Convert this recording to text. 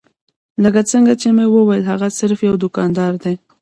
لکه څنګه چې مې وويل هغه صرف يو دوکاندار دی.